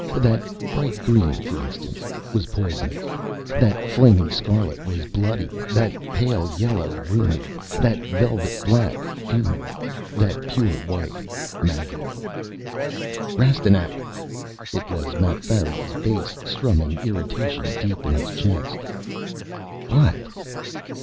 That bright green, for instance, was poisonous; that flaming scarlet was bloody; that pale yellow, rheumy; that velvet black, funeral; that pure white, maggotty. "Rastignac!" It was Mapfarity's bass, strumming irritation deep in his chest. "What?"